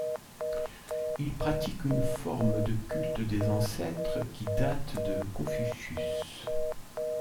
Ils pratiquent une forme de culte des ancêtres qui date de Confucius.